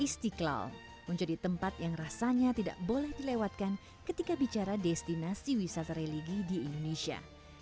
istiqlal menjadi tempat yang rasanya tidak boleh dilewatkan ketika bicara destinasi wisata religi di indonesia